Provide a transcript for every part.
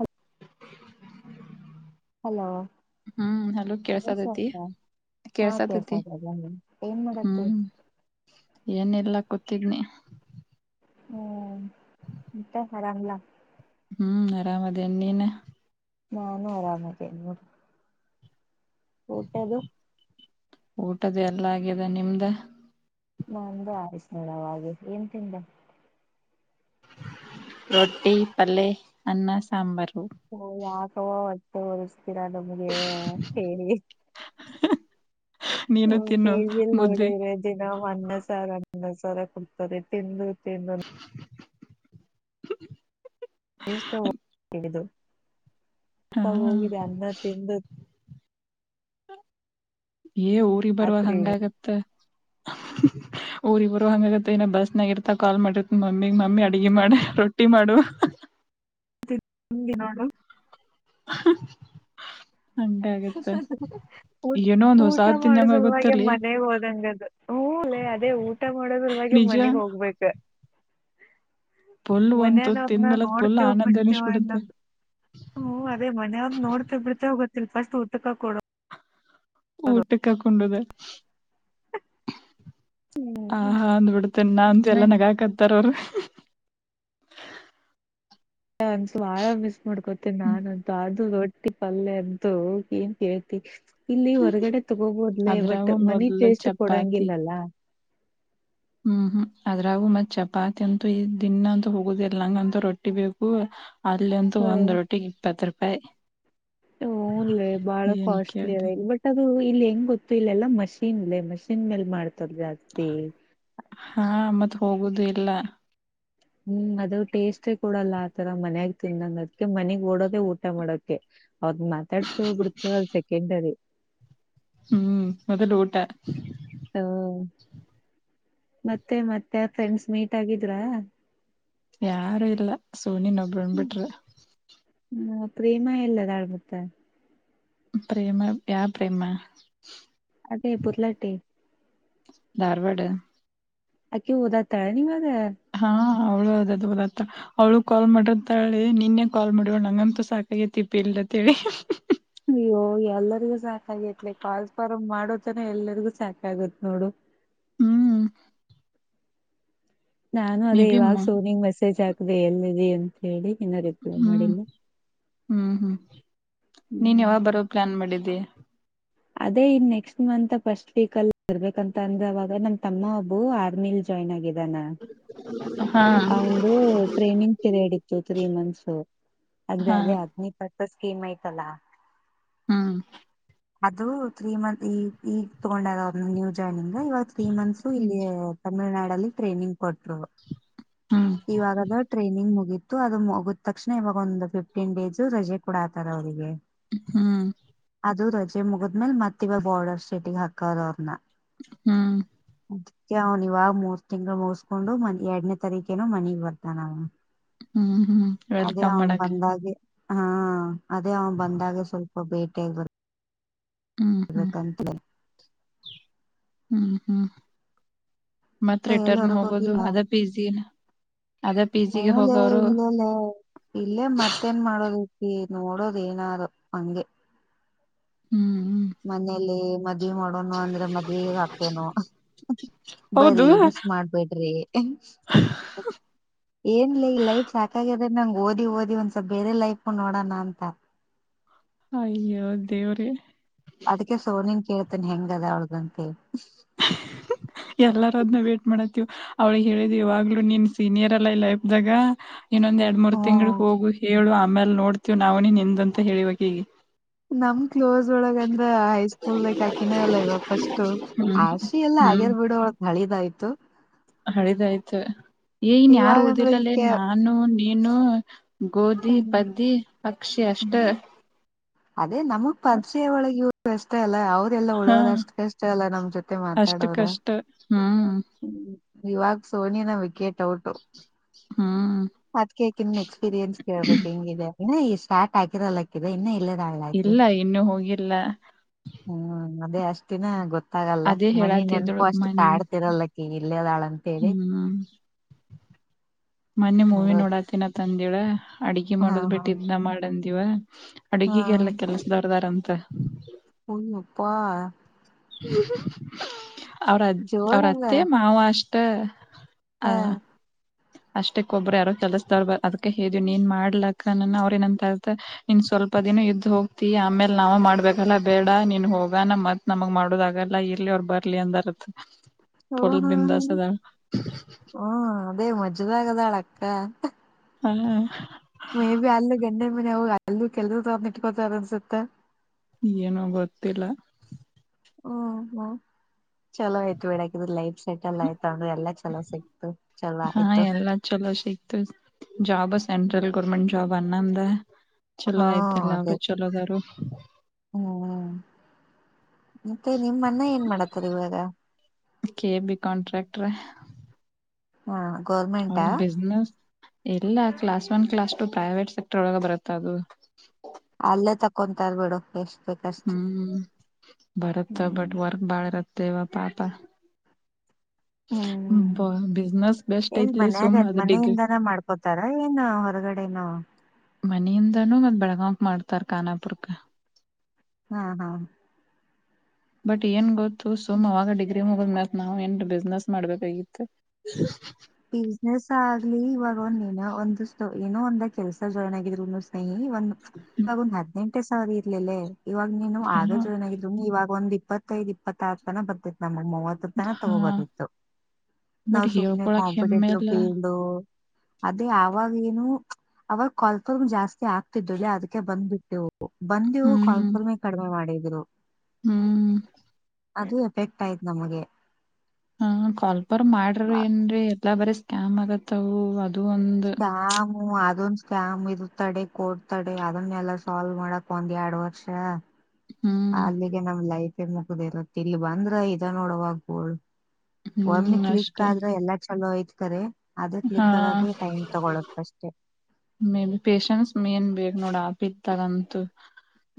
ಹ ಹಲೋ ಹ್ಮ್ ಹಲೋ ನ ಕೇಳ್ಸತೈತಿ ಸಲ್ತ ಹಾ ಕೆಲ್ಸ ಕೇಳ್ಸತೈತಿ ಆಲ್ಲ ಏನ್ ಮಾಡತು ಏನಲ್ಲ ಕೂತಿದ್ನಿ ಹ್ಮ ಇಂತ ಹರಾಮಲ್ಲ ಹ್ಮ್ ಅರಾಮದನ್ನಿನ ನಾನು ಆರಾಮದಡಿ ಊಟದು ಊಟದ ಎಲ್ಲ ಆಗ್ಯಿದೆ ನಿಮ್ದ ನಂದು ಆಯಸ್ ಮಡ ಹಾಗೆ ಏನ್ ತಿಂದ ರೋಟ್ಟಿ ಪಲೆೇ ಅನ್ನ ಸಾಂಬರ್ ಹ ಯಾಕವೋ ಅಷ್ಟೆ ಒರ್ಸ್ತೀರಾ ನಮ್ಗೆ ಹೇಳಿ ನೀನು ಟ ತಿನ್ನು ವಿಲ್ ಮುದ್ದೆ ನೋಡಿದ್ರೆ ದಿನ ಹನ್ನ ಸರ ಹನ್ನ ಸಾರ ಕೊಡ್ತಾರೆ ತಿಂದು ನ [inaudible] ಎತ್ತ ಹಾ ಹೋಗಿದೆ ಅನ್ನ ತಿಂದು ಏ ಊರಿಗೆ ಬರುವವ ರಾತ್ರಿ ಹಂಗಗತ್ತ [inaudible] ಊರಿ ಇಬ್ಬರು ಹಂಗಗತ್ತ ಇನ ಬಸ್ನಾಗರ್ತ ಕಾಲ್ ಮಾಡಿರ್ತ ಮಮ್ಮಿಗ್ ಮಮ್ಮಿ ಅಡಗೆ ಮಾಡಿ ರೊಟ್ಟಿ ಮಾಡು [inaudible] ನಿಮ್ಗೆ ನೋಡು ಹಂಗಾಗತ್ತೆ ಊಟ್ ಏನೋ ಒಂದ್ ಹೊಸ ಊಟ ಮಾಡ ತಿಂದಂಗ ಸಲಮೆ ಆಗುತ್ತಲ್ಲಿ ಮನೆ ೋದಂಗದು ಹೂಲೆ ಅದೇ ಊಟ ಮಾಡೋದಲ್ವೆ ನಿಜ ಮನಗ್ ಹೋಗ್ಬೇಕ ಪುಲ್ ಒಂದ್ ತುತ್ ಮನೆಯದವ್ರನ್ನ ತಿಂದ್ಮೇಲೆ ಅದ್ ಪುಲ್ ನೋಡ್ತೆೇವ ಆನಂದ ಬಿಡ್ತೇವ ಎಲ್ಲ ಅನಿಸ್ಬಿಡುತ್ತೆ ಹ್ಮ ಅದೇ ಮನವದ ನೋಡ್ತ ಬಿಡ್ತೆ ಹೋಗತಿಲ್ ಫಸ್ಟ್ ಊಟಕ ಕೊಡ ಊಟಕ್ಕ ಕೊೊಂಡಿದೆ ಹ ಹ ಅಂದ್ಬ ಬಿಡ್ತೇನೆ ನ ಅಂತ ಎಲ್ಲ ನಗ ಹಾಕತ್ತಾರ ಅವ್ರರು ಒಂದಸ ಭಾಳ ಮಿಸ್ ಮಾಡ್ಕೊತೇನಿ ಹ್ಮ್ ನಾನನ್ ಅದ ಅ ಟ್ಟಿ ಪಲ್ಲಯ ಅಂತ ಏನ್ ಕೇಳ್ತಿ ಇಲ್ಲಿ ಹೊರ್ಗಡೆ ತಗೋಬೋದ್ಲೆ ಬಟ್ ಅದ್ರಾಗೂ ಮನಿ ಮೊದ್ಲು ಟೇಸ್ಟ್ ಚಪಾತಿ ಕೊಡಂಗಿಲ್ಲಲ್ಲ ಹ ಹ್ಮ್ ಹ್ಮ್ ಅದ್ರಾಗು ಮತ್ ಚಪಾತಿ ಅಂತೂ ಈ ದಿನಂತೂ ಹೋಗುದ ಇಲ್ಲ ನಂಗಂತು ರೊಟ್ಟಿ ಬೇಕು. ಅಲ್ಲಂತೂ ಹ ಒಂದ್ ರೋಟಿಗ್ ಇಪ್ಪತ್ತು ರೂಪಾಯಿ. ಹೂಲ್ಲೇ ಬಾಳ ಏನ್ ಕಾಸ್ಟ್ಲಿ ಕೇಳ್ತಿ ಅದೆ ಬಟ್ ಅ [unintelligible] ದು ಇಲ್ಲಿ ಹೆಂಗ್ ಗೊತ್ತು ಇಲ್ಲಲ್ಲಾ ಮಷಿನ್ ಮಷಿನ್ ಮೇಲ್ ಮಾಡ್ತದ ಜಾಸ್ತಿ. ಹಾ ಮತ್ ಹೋಗುದು ಇಲ್ಲ. ಹ್ಮ್ ಅದು ಟೇಸ್ಟೇ ಕೊಡಲ್ಲ ಆತರ ಮನ್ಯಾಗ ತಿಂದಂಗ ಅದ್ಕ್ಕೆ ಮನಗ್ ಓಡೋದೇ ಊಟ ಮಾಡೋಕೆ. ಅವ್ರನ್ ಮಾತಾಡ್ಸತೀವೋ ಬಿಡ್ತೀವೋ ಸೆಕೆಂಡರಿ. ಹ್ಮ್ ಮೊದಲು ಊಟ. ಹೊ. ಮತ್ತೆ ಮತ್ತೆ ಫ್ರೆಂಡ್ಸ್ ಮೀಟ್ ಆಗಿದ್ರಾ. ಯಾರು ಇಲ್ಲ ಸೋನಿನೊಬ್ಬಳ್ನ ಬಿಟ್ರೆ. ಹ್ಮ ಪ್ರೇಮ ಎಲ್ಲಿದ್ದಾಳ್ ಮತ್ತೆ. ಪ್ರೇಮ ಯಾವ್ ಪ್ರೇಮ. ಅದೇ ಪುದಲಟ್ಟಿ. ಧಾರ್ವಾಡ. ಅಕೆ ಓದಾತಾಳೆ ನೀವಾಗ. ಹಾ ಅವ್ಳು ಅದದಹದತ್ತ ಅವಳು ಕಾಲ್ ಮಾಡ್ರಂತ ಹೇಳಿ ನಿನ್ನೆ ಕಾಲ್ ಮಾಡಿವಳು ನಂಗಂತು ಸಾಕಾಗತಿಪ್ಪಿ ಇಲ್ಲಿ. ತೆಳಿ. ಅಯ್ಯೋ ಎಲ್ಲರಿಗೂ ಸಾಕ ಆಾಗೈತ್ಲೆ ಕಾಲ್ಸ್ಫಾರ ಮಾಡೋದನ ಎಲ್ಲರಿಗೂ ಸಾಕಗುತ್ ನೋಡು. ಹ್ಮಂ ನಾನು ಅದೇ ಇವಾಗ ಸೋನಿಂಗ್ ಮೆಸೇಜ್ ಹಾಕ್ದೆ ಎಲ ಇದ್ದೀ ಅಂತ ಹೇಳಿ. ಇನ್ನ ರಿಪ್ಲೈ ಹ್ಮ್ ಮಾಡಿಲ್ಲ. ಹ್ಮ್ ಹ್ಮ್ ನೀನ್ ಹ್ಮ್ ಯಾವಾಗ ಬರೋ ಪ್ಲಾನ್ ಮಾಡಿದ್ಯ. ಅದೇ ಇ ನೆಕ್ಸ್ಟ್ ಮಂತ್ ಫಸ್ಟ್ ವೀಕ್ ಅಲ್ಲಿ ಇರ್ಬೇಕಂತ ಅಂದ್ರ ಅವಾಗ ನಮ ತಮ್ಮ ಒಬ್ಬು ಆರ್ಮಿಲಿ ಜಾಯ್ನ್ ಆಗಿದ. ಇದನ ಹಾ ಅವಂದು ಟ್ರೈನಿಂಗ್ ಪಿರಿಯಡ್ ಇತ್ತು ತ್ರೀ ಮಂತ್ಸ್. ಅದೇ ಹಾ ಅದೇ ಅಗ್ನಿ ಪರ್ಪಸ್ ಸ್ಕೀಮ್ ಐ್ತಲ್ಲಾ. ಹ್ಮ ಅದು ತ್ರೀ ಮಂತ್ ಈಗ ಈಗ ತೊಗೊಂಡದ ಅವ್ರ ನ್ಯೂ ಜಾಯನಿಂಗ್. ಇವಾಗ ತ್ರೀ ಮಂತ್ಸು ಇಲ್ಲಿ ತಮಿಳ್ನಾಡಲ್ಲಿ ಟ್ರೈನಿಂಗ್ ಕೊಟ್ರು. ಹ್ಮ್ ಇವಾಗದ ಟ್ರೈನಿಂಗ್ ಮುಗಿತ್ತು ಅದು ಮುಗಿದ ತಕ್ಷಣ ಇವಾಗ ಒಂದು ಫಿಫ್ಟೀನ್ ಡೇಸ್ ರಜೆ ಕೂಡ ಆತರ ಅವ್ರಿಗೆ. ಹ್ಮ ಅದು ರಜೆ ಮುಗದ್ಮೇಲೆ ಮತ್ತ ಇವ ಬಾರ್ಡರ್ ಸ್ಟೇಟಿಗೆ ಹಾಕವ್ರೇ ಅವ್ರನ್ನ. ಹ್ಮ ಅದ್ಕ್ಕೆ ಅವನ್ ಇವಾಗ ಮೂರ್ ತಿಂಗಳು ಮುಗಸ್ಕೊಂಡು ಮತ್ತೆ ಎರಡನೇ ತಾರೀಕೇನು ಮನಿಗ್ ಬರ್ತಾನ ಅವ್ನು. ಹ್ಮ್ ಹ್ಮ್ ಅದೇ ವೆಲ್ಕಮ್ ಅವನು ಮಾಡಕ್ ಬಂದಾಗೆ. ಹಾ ಅದೇ ಅವ ಬಂದಾಗ ಸ್ವಲ್ಪ ಬೇಟೆ ಬರ್ ಹ್ಮ್ ಹ್ಮ್ ಹ್ಮ್ ಹ್ಮ್ ಮತ್ತ ಮತ್ ರಿಟರ್ನ್ ಹೋಗೋದು ಅದೇ ಪಿ ಜಿ ನ. ಹ್ಮಲೇ ಇಲ್ಲೇಲೆ ಇಲ್ಲೇ ಮತ್ತೇನ್ ಮಾಡೋದು. ಈ ನೋಡೋದು ಏನಾರು ಹಂಗೆ. ಹ್ಮ್ ಮನೇಲ್ಲಿ ಮದ್ವಿ ಮಾಡೋನು ಅಂದ್ರೆ ಮದ್ವೆ ಹಾಕ್ತೇನು. ಬರಿ ಹೌದು ಮಿಸ್ ಮಾಡ್ಬೇಡ್ರಿ. ಏನ್ಲ ಈ ಲೈಫ್ ಸಾಕಾಗಾದೆ ನಂಗೆ ಓದಿ ಓದಿ ಒಂದ್ ಸ್ವಲ್ಪ ಬೇರೆ ಲೈಫ್ ನೋಡೋಣ ಅಂತ. ಅಯ್ಯೊ ದೇವ್ರೇ. ಅದಕ್ಕೆ ಸೋನಿನ್ ಕೇಳ್ತಿನಿ ಹೆಂಗ ಅದ ಅವಳ್ದಂತೇಳಿ. ಎಲ್ಲ [unintelligible] ದ್ನ ವೇಟ್ ಮಾಡತ್ತೀವ್ ಅವ್ಳಿಗೆ ಹೇಳಿದೀವಾಗ್ಲುೂ ನೀನ್ ಸೀನಿಯರ್ ಅಲ್ಲ ಈ ಲ್ಲೈಫ್ದಾಗ. ಇನ್ನೊಂದ್ ಎರಡ್ ಮೂರ್ ತಿಂಗಳು ಹ್ಮ್ ಹೋಗು ಹೇಳು ಆಮ್ಯಲ್ ನೋಡ್ತಿವ್ ನಾವು ನಿನೆದಂತ ಹೇಳಿವಕಿಗೆ. ನಮ ಕ್ಲೋಸ್ ಒಳಗ ಅಂದ್ರ ಹೈಸ್ಕೂಲ್ಕ್ ಹಾಕಿನೇ ಅಲ್ಲ ಇವ ಫಸ್ಟ್. ಹ್ಮ್ ಎಲ್ಲ ಹ್ಮ್ ಆಗ್ಯರ್ ಬಿಡೋ ಒಳಗ್ ಹಳಿದಾಯ್ತು. ಹಳಿದಾಯ್ತು ಏನ್ ಯಾರು ಇವಾಗಂದ್ರ ಉ್ದಲ್ಲಲ್ಲಿ ಈಕೆ ನಾನು ನೀನು. ಗೋಧಿ ಹ್ಮ್ ಪದ್ದಿ ಪಕ್ಷಿ ಅಷ್ಟು. ಹ್ಮ್ ಅದೇ ನಮ್ಗ್ ಪರಿಚಯ ಒಳಗೆ ವ್ಯವಸ್. ಯಾವದೆಲ್ಲ ಹಾ ಉಳೋದ ಅಷ್ಟ ಕಷ್ಟ ಅಲ್ಲ ನಮ್ ಜೊತೆ ಮಾತಾಡೋದ. ಅಷ್ಟಕ್ಕಷ್ಟ ಹ್ಮ್ ಇವಾಗ ಸೋನಿನ ವಿಕೆಟ್ ಔಟ್. ಹ್ಮ್ ಅದ್ಕಿ ಎಕ್ಸ್ಪೀರಿಯನ್ಸ್ ಕೇಳ್ಬೇಕಕ್ ಹೆಂಗಿದೆ ಸ್ಟಾರ್ಟ್ ಆಕಿರಲ್ಲಕ್ಕಿದೆ ಇನ್ನ ಇಲ್ಲ. ಇಲ್ಲ ಇನ್ನುೂ ಹೋಗಿಲ್ಲ ಹ್ಮ್ ಅದೇ. ಅಷ್ಟಿನ ಗೊತ್ತಾಗಲ್ಲ ಅದೇ ಮನಿ ನೆನಪು ಹೇಳತಿದಳು ಅಷ್ಟು ಮನ್ ಕಾಡ್ತಿರಲ್ಲಕಿ ಇಲ್ಲೇದಾಳ ಅಂತೇಳಿ. ಹ್ಮ್ ಮೊನ್ನೆ ಮೂವಿ ನೋಡೋದು ನೋಡಾತ್ತಿನತ್ತಂದಿಳ ಅಡ್ಗೆ ಹಾ ಮಾಡೋದ್ ಹಾ ಬಿಟ್ಟ ಇದನ ಮಾಡಂದೀವ. ಅಡುಗೆಗೆಲ್ಲ ಕೆಲ್ಸದವರ್ದಾರಂತ. ಉನ್ ಉಪ. ಅವರ ಅವ್ರ ಅತ್ತೆ ಮಾವ ಅಷ್ಟ. ಹಾ. ಅ ಅಷ್ಟಕ್ಕ ಒಬ್ಬರು ಯಾರೋ ಕೆಲಸ್ದವ್ರ ಬ ಅದಕ ಹ್ ನೀನ್ ಮಾಡ್ಲಕ್ಕ ಅವ್ರ ನಂತ ಅತ ನಿನ್. ಸ್ವಲ್ಪ ದಿನ ಇದ್ದ್ ಹೋಗ್ತಿ ಆಮೇಲೆ ನಾವ ಮಾಡ್ಬೇಕಲ್ಲ ಬೇಡ ನೀನ್ ಹೋಗಣ ಮತ್ ನಮಗ್ ಮಾಡದಲ್ಲ. ಬರ್ಲಿ ಅವ್ರ ಬರ್ಲಿ ಅಂದರತ್. ಹಓ ಹಾ ಹ ಹ್ಮ ಅದೇ ಮಜ್ಜದ ಆಗದಾಳ ಅಕ್ಕ. ಹ್ಮ. ಮೇ ಬಿ ಅಲ್ಲಿ ಗಂಡನ ಮನೆ ಹೋಗ ಅಲ್ ಕೆಲ್ ತೊಂಡ ಇಟ್ಕೋತಾರ ಅನ್ಸುತ್ತೆ. ಏನೋ ಗೊತ್ತಿಲ್ಲ. ಹ್ಮ ಹಾ. ಚಲೋ ಆಯ್ತು ಬೇಡಕಿದ್ರ ಲೈಫ್ ಸೆಟಲ್ ಆಯ್ತು ಅಂದ್ರೆ ಎಲ್ಲಾ ಚಲೋ ಸಿಕ್ತು ಚಲೋ ಆಯ್ತು. ಜಬ ಸೆಟ್ರಲ್ ಗರ್ಮೆಟ್ ಜಬ ಅಣ್ಣಂದ್. ಚಲೋ ಹಾ ಆಯ್ತಲ್ಲ ಅವರು ಅದೇ ಚಲೋದಾರು. ಹ್ಮ್ ಮತ್ತೆ ನಿಮನ್ನ ಏನ್ ಮಾಡಾತ್ತಾರ ಇವಾಗ. ಕೆ ಬಿ ಕಾಂಟ್ರಾಕ್ಟ್ರ ಹಾ. ಅವ ಬಿಜನೆಸ್. ಈಲ್ಲ class one class two private sector ಒಗ ಬರುತ್ತ ಅದು. ಅಲ್ಲೇ ತಕೊಂತ ಇರ್ಬಿಡು ಎಷ್ಟು. ಹ್ಮ್ ಬರುತ್ತ ಬಟ್ ಹ್ಮ್ ವರ್ಕ್ ಬಾಳ ಇರತ್ತೇವ ಪಾಪ. [inaudible] ಹ್ಮ್ ಬ ಬಿಸ್ನೆಸ್ ಬೆಸ್ಟ್ ಎನ್ ಐತ್ಲಿ ಸುಮ್ ಮನ್ಯಗ ಅದ್ ಡಿಗ್ರಿ ಮನೆಯಿಂದನ ಮಾಡ್ಕೋತಾರ ಏನ್ ಹೊರಗಡೆ. ನಾ. ಮನಿಯಿಂದನೂ ಮತ್ತ ಬೆಳಗಾಂಕ್ ಮಾಡ್ತಾರ ಕಾನಾಪುರ್ಕ್ಕೆ. ಹಾ ಹಾ. ಬಟ್ ಏನ್ ಗೊತ್ತು ಸುಮವಾಗ ಡಿಗ್. ಮುಗ ಮತ್ ನಾವ್ ಎಂ ಬಿಸ್ನೆಸ್ ಮಾಡ್ಬೇಕಾಗಿತ್ತು. ಬಿಸ್ನೆಸ್ ಆಗ್ಲಿ ಇವಾಗ ಒಂದನ ಒಂದ ಏನೋ ಒಂದ ಕೆಲ್ಸ ಜಾಯ್ನ್ ಆಗಿದ್ರು ಸ್ನೇಹಿ. ಈ ಒಂದು ಇವಾಗ ಒಂದ್ ಹದ್ನೆಂಟೇ ಸಾವಿರ ಇರ್ಲಿಲ್ಲ ಇವಾಗ ನೀನು ಹಾ ಆಗ ಜಾಯ್ನ್ ಆಗಿದ್ರು ಇವಾಗ ಒಂದ. ಇಪ್ಪತ್ತೈದು ಇಪ್ಪತ್ತಾರ ತನ ಬರ್ತಿತ್ತು ನಮಗ್ ಮೂವತ್ತು ತನ ಹಾ ತಗೋಬದಿತ್ತು ಬಟ್ ನಾವ್ ಸುಮ್ನೆ. ಹೇಳ್ಕೊಳಕ್ ಹೆಮ್ಮೆ ಇಲ್ಲ ಫೀಲ್ ಅದೇ ಯಾಗ ನು ಅವಾಗ ಕಲ್ ಜಾ ಸ್ತಿ. [unintelligible] ಆಗ್ತಿತ್ತಲೇ ಅದಕ್ಕೆ ಬಂದ್ಬಿಟ್ಟೆವು ಬಂದಿವು ಹ್ಮ್ ಹ್ಮ್ ಕಾಲ್ಫುಲ್ಮೆ ಕಡಿಮೆ ಮಾಡಿದ್ರು. ಹ್ಮ್ ಅದು ಎಫೆಕ್ಟ್ ಆಯ್ತು ನಮಗೆ. ಹ ಕಾಲ್ಪರ್ ಮಾಡ್ರಿ ಏನ್ ಎಲ್ಲಾ ಬಾರಿ ಸ್ಕ್ಯಾಮ್ ಆಗತ್ತವು ಅದ. ಶಾಮ ಅದೊನ್. ಸ್ಕ್ಯಾಮ್ ಇರು ತಡೆ ಕೊಡ್ತಾಡೆ ಅದನ್ನೆಲ್ಲ ಸಾಲ್ವ್ ಮಾಡಕ್ ಒಂದ್ ಎರಡ್ ವರ್ಷ. ಹ್ಮ್ ಅಲ್ಲಿಗೆ ನಮ್ ಲೈಫೇ ಮುಗಿದಿರುತ್ಇಲ್ಲಿ ಬಂದ್ರ ಇದ ಇದೇ ನೋಡುವ ಗೋಳು. ಒಮ್ಮಿ ಹ್ಮ್ ಕ್ಲಿಕ್ ಅಷ್ಟೇ ಆದ್ರೆ ಎಲ್ಲಾ ಚಲೋ ಐತಿ ರಿ. ಅದು ಹಾ ಕ್ಲಿಕ್ ಆಗಾಕ ಟೈಮ್ ತಗೊಳಕ್ ಅಷ್ಟೆ ಮೇ ಬಿಿ ಪೇಶನ್ಸ್ ಮೇನ್ ಬೇಗ ನೋಡ್ [inaudible] ಆಪ್ದಾರಂತು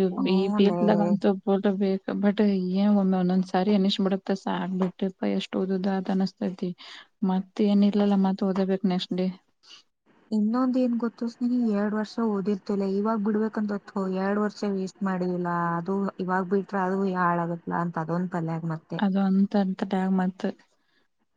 ಇ ಈ ಹೂಲೇ ಪೇಟ್ಲಾಗಂತ ಪೋಟ ಬು [unintelligible] ಬಟ್ ಏನ್ ಒಮ್ಮೆ ಒಂದೊಂದ್ಸಾರಿ ಅನಿಸ ಬಿಡತ್ತ ಸಾ ಆಕ್ಬ ಬಿಟ್ಟಪ್ಪ ಎಷ್ಟ್ ಓದದ ಅನಸ್ತೈತಿ ಮತ್ತ ಏನ್ ಇರ್ಲಲ್ಲ ಮತ್ ಓದಬೇಕು ನೆಕ್ಸ್ಟ್ ಡೇ ಇನ್ನೊಂದ ಏನ್ ಗೊತ್ತು ಸ್ನೇಹಿ ಎರಡ್ ವರ್ಷ ಓದಿರ್ತಿಲ್ಲ ಇವಾಗ ಬಿಡ್ಬೇಕಂತತ್ತು ಎರಡ್ ವರ್ಷ ವೇಸ್ಟ್ ಮಾಡಿಲ್ಲಾ ಅದು ಇವಾಗ್ ಬಿಟ್ರೆ ಅದು ಹಾಳ್ ಆಗತ್ಲ ಅಂತ ಅದೊಂದ ತಲೆಗ ಮತ್ತೆ ಂತ ಟಾಗ ಮಾತ್ [unintelligible]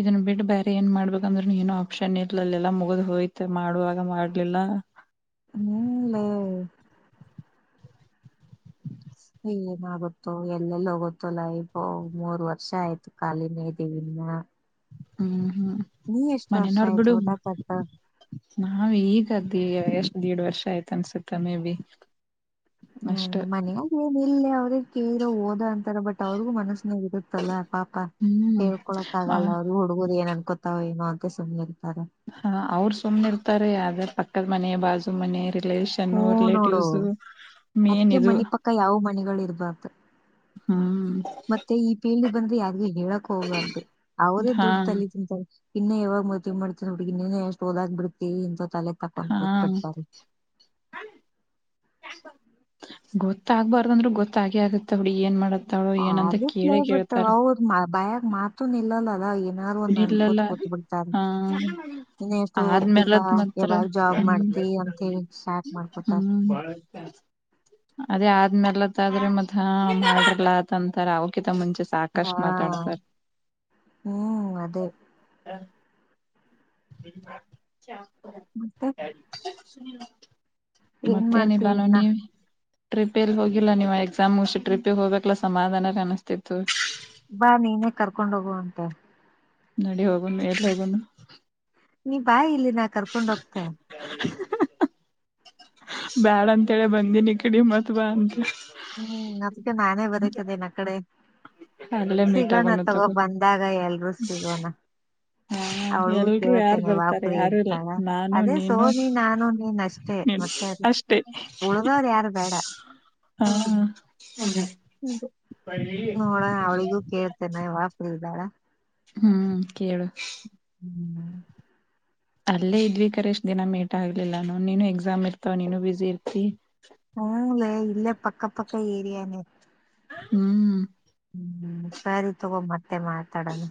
ಇದನ್ನ ಬಿಟ್ಟು ಬೇರೆ ಏನ್ ಮಾಡ್ಬೇಕ ಅಂದ್ರ ಏನ ಆಪ್ಷನ್ ಇರ್ಲಿಲ್ಲಾ ಮುಗ್ದ್ ಹೋಯ್ತೆ ಮಾಡುವಾಗ ಮಾಡ್ಲಿಲ್ಲ ಹಾ ಹೂ ಲೆ ಏನಾಗುತ್ತೋ ಎಲ್ಲೆಲ್ಲಿ ಹೋಗುತ್ತೋ ಲೈಫ ಮೂರ್ ವರ್ಷ ಆಯ್ತು ಕಖಾಲಿನೇ ಇದೀವಿ ಇನ್ನ ಹ್ಮ್ ಹ್ಮ್ ನೀ ಎಷ್ಟ್ ಮನೆ ವರ್ಷ ನಾರ್ ಆಯ್ತು ಬಿಡು ಓದಾಕತ್ತ ನಾವ ಈಗದ ಎಷ್ಟ್ ದೀಡ್ ವರ್ಷ ಆಯ್ತ ಅನ್ಸುತ್ತ ಮೇ ಬಿ ಅಷ್ಟ ಹ್ಮ ಮನೆಯಾಗ ಏನ ಇಲ್ಲ ಅವ್ರಗ್ ಕೇರೋ ಓದ ಅಂತಾರ ಬಟ್ ಅವ್ರಿಗೂ ಮನಸ್ಸನಾಗಿ ಇರುತ್ತೆ ತ್ತಲ್ಲ ಪಾಪ ಹ್ಮ್ ಹೇಳ್ಕೊಳಕ್ಕ ಆ ಆಗಲ್ಲ ಅವ್ರು ಹುಡುಗುರು ಏನ್ ಅನ್ಕೋತಾವ ಓ ಅಂತ ಸುಮ್ಮ್ ಹಾ ಅವ್ರ ಸುಮ್ನೆ ಇರ್ತಾರೆ ಯದ ಪಕ್ಕದ ಮನೆ ಬಾಜು ಮನೆ ರಿಲೇಷನ್ ಹೂ ನೋಡು ರಿಲೇಟಿವ್ಸ್ ಮೇನ್ ಅದಕ ಇದು ಮನಿ ಪಕ್ಕ ಯಾವ ಮನಿಗಳ ಇರ್ಬಾರ್ದು ಹ್ಮ್ ಮತ್ತೆ ಈ ಪೀಳಿ ಬಂದ್ರೆ ಯಾರಿಗೂ ಹೇಳಕ್ ಹೋಗ್ಬಾರ್ದು ಅವ್ರೇ ಹಾ ದುಡ್ ತಲಿತಂತ ಇನ್ನೇ ಯಾವಾಗ ಮದವಿ ಮಾಡ್ತನ ನ ಹಡ್ಗಿಗೆ ಇನ್ನನೆ ಎಷ್ಟುೋದಾ್ ಬಿಡತತಿ ಇಂತ ತಲೆ [unintelligible] ತಕೊೊಂಡ ಹಾ ಗೊತ್ಬಿಡ್ತಾರೆ [unintelligible] ಗೊತ್ತಾಗಬಾರ್ದಂದ್ರರು ಗೊತ್ತಾಗೆ ಆಗತ್ತ ಬಿಡು ಏನ್ ಮಾಡದ ಆಗತ್ಲೇ ಬಟ್ ಅವ್ರ ಬಯಾಗ ಮಾತೂನು ನಿಲ್ಲಲಲ ಏನ್ ನಾರು ಒಂದ್ ಇಲ್ಲಲ್ಲ ಅನ್ಕೊತ್ ಕೂತ್ ಬಿಡ್ತಾರ ಹ ಇನ್ ಎಷ್ಟು ಓದ್ತಿಪಾ ಆದ್ಮೇಲತ್ ಮತ್ರ ಯಾವಾಗ ಜಾಬ್ ಹ್ಮ್ ಮಾಡ್ತಿ ಅಂತಿ ಸ್ಟಾರ್ಟ್ ಮಾಡ್ಕೊತಾರ ಹ್ಮ್ ಅದೇ ಆದ್ಮೇಲತ್ ಆದ್ರೆ ಮತ್ ಮಾಡ್ರಲ್ಲಾತಂತಾರ ಅವರ್ ಕಿಂತ ಮುಂಚೆ ಹಾ ಸಾಕಷ್ಟ್ ಮಾತಾಡ್ತಾರ ಹ್ಮ್ ಅದೇ ಹ [unintelligible] ಾ [unintelligible] ಮತ್ತ ಮತ್ತೇನಿಲ್ಲ ನೋ ಇನ್ನ ನೀವು ಟ್ರಿಪಿಯಲ್ಲಿ ಹೋಗಿಲ್ಲ ನೀವು ಎಕ್ಸಾಮ್ ಮುಗಿಸಿ ಟ್ರಿಪಿ ಹೋಗಬೇಕಲ್ಲ ಸಮಾಧಾನ ಕನಿಸ್ತಿತ್ತು ಬಾ ನೀನೇ ಕರ್ಕೊಂಡ ಹೋಗುವಂತೆ ನಡಿ ಹೋಗನು ಎಲ್ಲಿ ಹೋಗನು ನೀ ಬಾಯಿ ಇಲ್ಲಿ ನಾ ಕರ್ಕೊಂಡ್ ಹೋಗ್ತೀನಿ ಬ್ಯಾಡ ಅಂತೇಳಿ ಬಂದೀನಿ ಇಕಡಿ ಮತ್ತ ಬಾ ಅಂತ ಹ್ಮ್ ಅದ್ಕ್ಕೆ ನಾನೇ ಬರಕದಿನ್ ಅಕಡೆ ಅಲ್ಲೇ ಮೀಟ್ ಸಿಗೋಣ ಆಗೋಣ ತಗೋ ಬಂದಾಗ ಎಲ್ರುೂ ಸಿಗೋಣ ಹ ಅವಳಿಗೂ ಎಲ್ರುೂ ಯಾರು ಕೇಳ್ತೇನೆ ವಾ ಬರ್ತಾರೆ ಫ್ರೀ ಯಾರು ಇಲ್ಲ ಇರ್ತಾಳ ನಾನು ಅದೇ ನೀನು ಸೋನಿ ನಾನು ನೀನ್ ಅಷ್ಟೇ ಮತ್ತೆ ಅದು ಅಷ್ಟೆ ಉಳ್ದವ್ರ ಯಾರು ಬೇಡ ಹ ನೋಡಣ ಅವಳಿಗೂ ಕೇಳ್ತೇನೆ ವಪರಿ ಇದ್ದಾಳ ಹ್ಮ್ ಕೇಳು ಅಲ್ಲೇ ಇದ್ವಿ ಕರೇಶ್ ದಿನ ಮೇಟ್ ಆಗ್ಲಿಲ್ಲಾನು ನೀನು ಎಕ್ಸಾಮ್ ಇರ್ತವ ನೀನು ಬಸಿ ಇರ್ತಿ ಹ್ಮಲ್ಲೇ ಇಲ್ಲೇ ಪಕ್ಕ ಪಕ್ಕ ಏರಿಯಾನೆ ಹ್ಮ್ ಹ್ಮ್ ಸರಿ ತಗೊ ಮತ್ತೆ ಮಾತಾಡೋಣ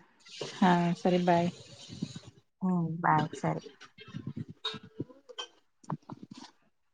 ಹಾಂ ಸರಿ ಬಾಯ್ ಹ್ಮ್ ಬಾಯ್ ಸರಿ ಹ್ಮ